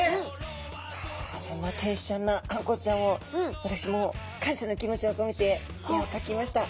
そんな天使ちゃんなあんこうちゃんを私も感謝の気持ちをこめて絵を描きました。